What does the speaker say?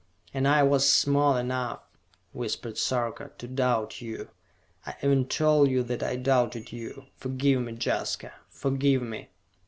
"And I was small enough," whispered Sarka, "to doubt you! I even told you that I doubted you! Forgive me, Jaska! Forgive me!"